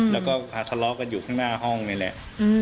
แล้วก็ทะเลาะกันอยู่ข้างหน้าห้องนี่แหละ